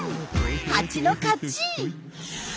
ハチの勝ち！